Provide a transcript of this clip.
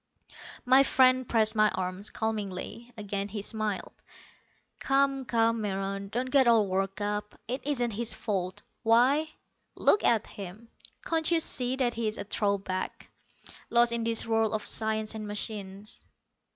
My friend pressed my arm, calmingly. Again he smiled. "Come, come, Meron, don't get all worked up. It isn't his fault. Why, look at him. Can't you see that he is a throwback, lost in this world of science and machines?